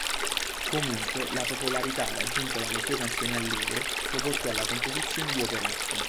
Comunque, la popolarità raggiunta dalle sue canzoni allegre lo portò alla composizione di operette.